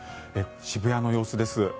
渋谷の様子です。